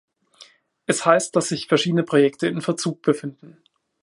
Es heißt, dass sich verschiedene Projekte in Verzug befinden.